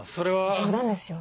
冗談ですよ。